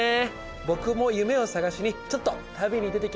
僕も夢を探しにちょっと旅に出てきます。